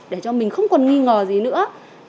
để cho mình không còn nghi ngờ gì nữa